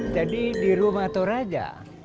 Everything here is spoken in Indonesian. jadi di rumah toraja